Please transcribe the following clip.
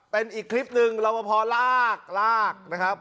เป็นอีกคลิปหนึ่งรอบพอลากลากนะครับ